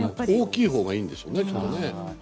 大きいほうがいいんでしょうね。